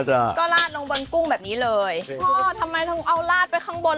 พ่อทำไมต้องเอาลาดไปข้างบน